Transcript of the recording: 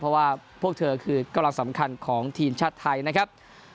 เพราะว่าพวกเธอคือกำลังสำคัญของทีมชาติไทยนะครับ